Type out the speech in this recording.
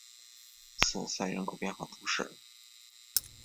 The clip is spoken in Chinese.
索赛人口变化图示